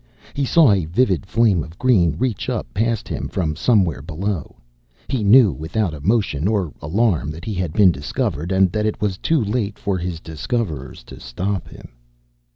He saw a vivid flame of green reach up past him from somewhere below. He knew, without emotion or alarm, that he had been discovered, and that it was too late for his discoverers to stop him.